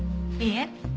いいえ。